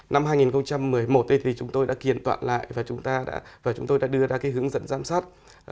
năm hai nghìn một mươi một thì chúng tôi đã kiền toạn lại và chúng tôi đã đưa ra cái hướng dẫn giám sát